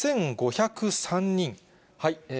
８５０３人。